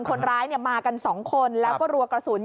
คนร้ายมากัน๒คนแล้วก็รัวกระสุน